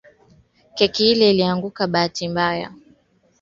Uislamu yalikuwa rahisi sana Hakuna mafundisho magumu mwanzoni